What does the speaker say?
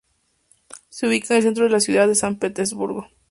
Se ubica en el centro de la ciudad de San Petersburgo.